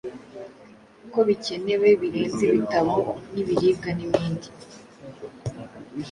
ko bikenewe birenze ibitabo nk’ibiribwa n’ibindi.